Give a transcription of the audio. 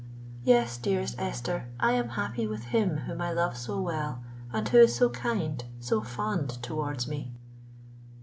"Yes, dearest Esther, I am happy with him whom I love so well, and who is so kind, so fond towards me!"